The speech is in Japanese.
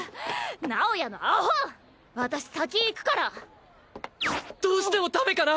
直也のア私先行くからどうしてもダメかな？